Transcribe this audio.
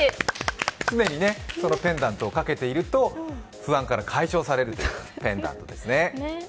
常にそのペンダントをかけていると不安から解消されるペンダントですね。